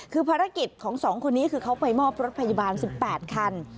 คือภารกิจของ๒คนนี้คือเขาไปมอบรถพยาบาล๑๘คัน